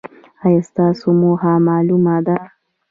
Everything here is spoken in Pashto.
ایا ستاسو موخه معلومه ده؟